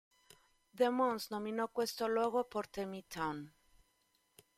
De Mons nominò questo luogo Port-au-Mouton.